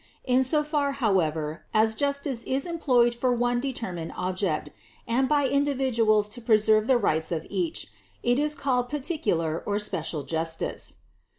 In so far however as justice is employed for one deter mined object and by individuals to preserve the rights of each, it is called particular or special justice.